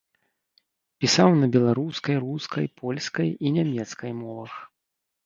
Пісаў на беларускай, рускай, польскай і нямецкай мовах.